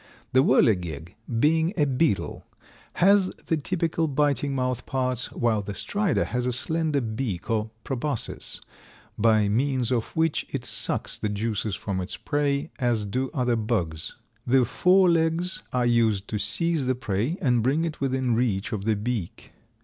The Whirligig, being a beetle, has the typical biting mouth parts, while the Strider has a slender beak or proboscis, by means of which it sucks the juices from its prey, as do other bugs. The fore legs are used to seize the prey and bring it within reach of the beak.